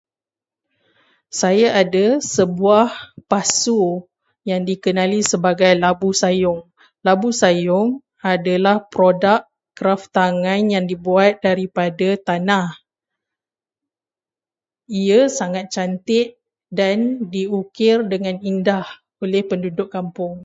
Saya ada sebuah pasu yang dikenali sebagai labu sayong. Labu sayong adalah produk kraf tangan yang diperbuat daripada tanah. Ia sangat cantik dan diukir dengan indah oleh penduduk kampung.